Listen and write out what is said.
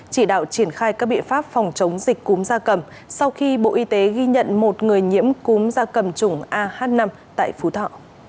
chỉ đạo triển khai các biện pháp phòng chống dịch cúm gia cầm sau khi bộ y tế ghi nhận một người nhiễm cúm da cầm chủng ah năm tại phú thọ